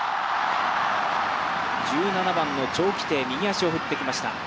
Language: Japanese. １７番のチョウ・キテイ右足を振ってきました。